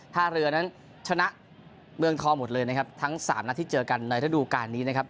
ท่าเรือนั้นชนะเมืองทองหมดเลยนะครับทั้งสามนัดที่เจอกันในระดูการนี้นะครับ